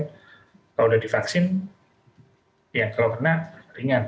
kalau sudah divaksin ya kalau kena ringan